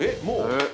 もう？